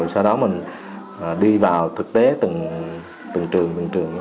sau đó mình đi vào thực tế từng trường